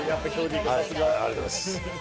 ありがとうございます。